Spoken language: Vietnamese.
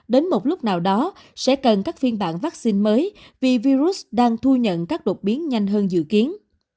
đến một lúc nào đó sẽ cần các phiên bản vaccine mới vì virus đang thu nhận các đột biến nhanh hơn dự kiến